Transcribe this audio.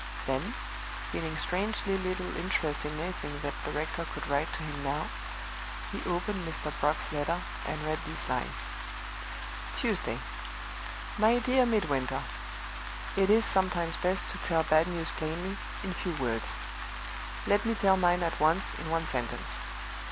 Then feeling strangely little interest in anything that the rector could write to him now he opened Mr. Brock's letter, and read these lines: "Tuesday. "MY DEAR MIDWINTER It is sometimes best to tell bad news plainly, in few words. Let me tell mine at once, in one sentence.